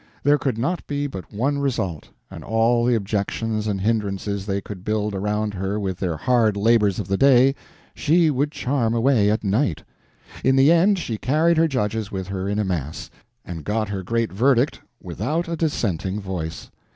There could not be but one result: all the objections and hindrances they could build around her with their hard labors of the day she would charm away at night. In the end, she carried her judges with her in a mass, and got her great verdict without a dissenting voice.